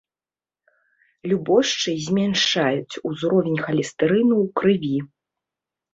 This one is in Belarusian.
Любошчы змяншаюць узровень халестэрыну ў крыві.